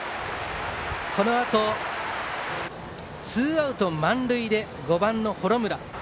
このあと、ツーアウト満塁で５番、幌村。